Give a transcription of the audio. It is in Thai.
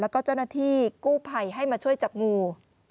แล้วก็เจ้าหน้าที่กู้ภัยให้มาช่วยจับงู